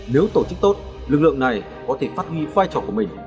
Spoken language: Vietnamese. nếu tổ chức tốt lực lượng này có thể phát huy vai trò của mình